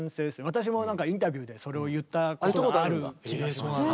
私もなんかインタビューでそれを言ったことがある気がします。